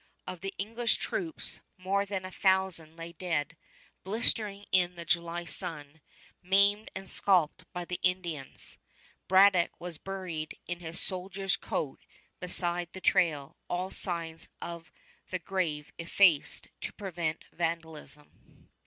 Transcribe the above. Of the English troops, more than a thousand lay dead, blistering in the July sun, maimed and scalped by the Indians. Braddock was buried in his soldier's coat beside the trail, all signs of the grave effaced to prevent vandalism.